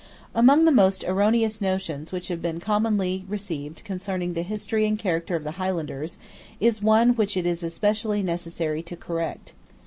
Among the erroneous notions which have been commonly received concerning the history and character of the Highlanders is one which it is especially necessary to correct.